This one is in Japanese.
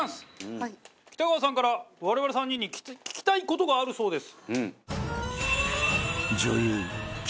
北川さんから我々３人に聞きたい事があるそうです。